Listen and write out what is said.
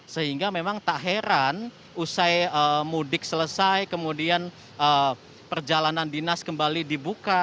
sehingga memang tak heran usai mudik selesai kemudian perjalanan dinas kembali dibuka